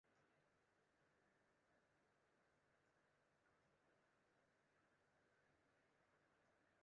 Ik leaude dat ik it yn my hie.